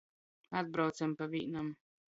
Atbraucem pa vīnam.